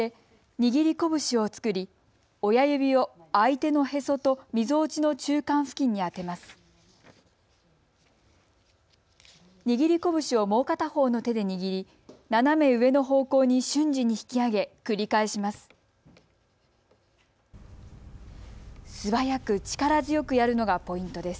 握り拳をもう片方の手で握り斜め上の方向に瞬時に引き上げ、繰り返します。